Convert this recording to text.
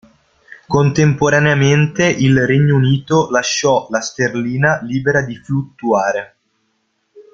Contemporaneamente, il Regno Unito lasciò la sterlina libera di fluttuare.